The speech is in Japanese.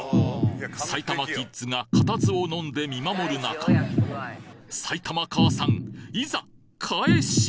埼玉キッズが固唾をのんで見守る中埼玉母さんいざ返し！